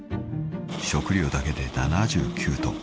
［食料だけで７９ｔ］